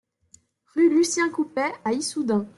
Rue Lucien Coupet à Issoudun